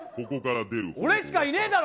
俺しかいねえだろ。